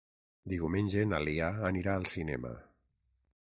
Diumenge na Lia anirà al cinema.